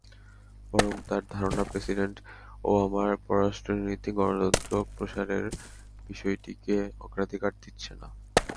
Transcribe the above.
বরং তাঁর ধারণা, প্রেসিডেন্ট ওবামার পররাষ্ট্রনীতি গণতন্ত্র প্রসারের বিষয়টিকে অগ্রাধিকার দিচ্ছে না।